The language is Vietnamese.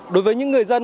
đối với những người dân